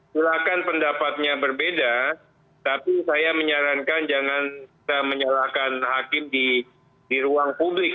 silakan pendapatnya berbeda tapi saya menyarankan jangan kita menyalahkan hakim di ruang publik